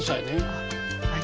あっはい。